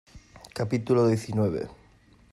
capítulo diecinueve.